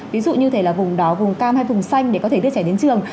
ví dụ như thể là vùng đó vùng cam hay vùng xanh để có thể đưa trẻ đến trường